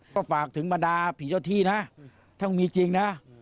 ก็ฝากถึงบรรดาผีเจ้าที่นะถ้ามีจริงนะ